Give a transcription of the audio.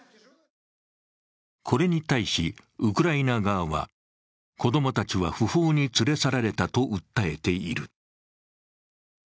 これに対し、ウクライナ側は子供たちは不法に連れ去られたと訴えている。